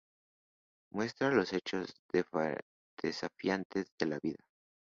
Muestra los hechos desafiantes de la vida.